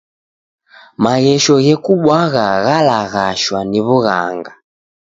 Maghesho ghekubwagha ghalaghashwa ni w'ughanga.